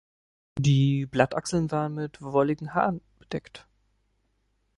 Die Blattachseln waren mit wolligen Haaren bedeckt.